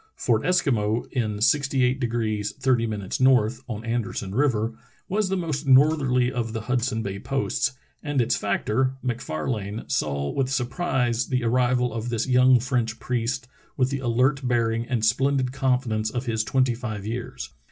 Fort Eskimo, in 68° 30 N., on Anderson River, was the most northerly of the Hudson Bay posts, and its factor, MacFarlane, saw with surprise the arrival of this young French priest with the alert bearing and splended confidence of his twenty five years.